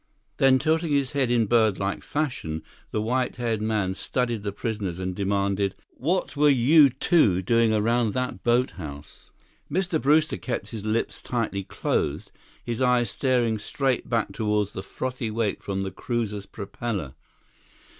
Then, tilting his head in birdlike fashion, the white haired man studied the prisoners and demanded: "What were you two doing around that boathouse?" Mr. Brewster kept his lips tightly closed, his eyes staring straight back toward the frothy wake from the cruiser's propeller.